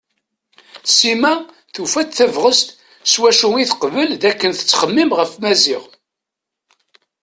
Sima tufa-d tabɣest s wacu i teqbel dakken tettxemmim ɣef Maziɣ.